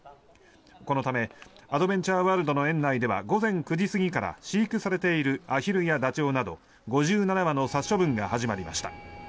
このためアドベンチャーワールドの園内では午前９時過ぎから飼育されているアヒルやダチョウなど５７羽の殺処分が始まりました。